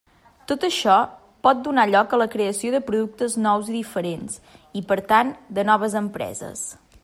Tot això pot donar lloc a la creació de productes nous i diferents, i per tant de noves empreses.